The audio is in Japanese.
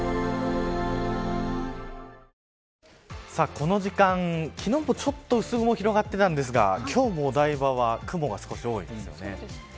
この時間、昨日もちょっと薄雲が広がってたんですが今日もお台場は少し雲が多いですよね。